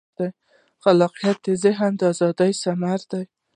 خلاقیت د ذهن د ازادۍ ثمره ده.